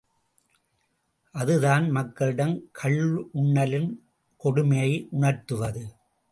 அதுதான் மக்களிடம் கள்ளுண்ணலின் கொடுமையை உணர்த்துவது!